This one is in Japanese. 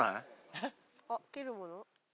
あっ切るもの？